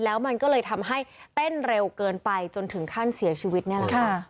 แล้วมันก็เลยทำให้เต้นเร็วเกินไปจนถึงขั้นเสียชีวิตนี่แหละค่ะ